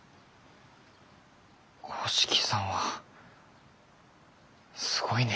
五色さんはすごいね。